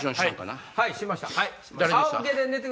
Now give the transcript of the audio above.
しました。